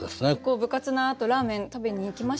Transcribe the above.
部活のあとラーメン食べに行きました？